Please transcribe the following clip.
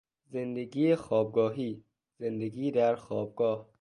زندگی خوابگاهی، زندگی در خوابگاه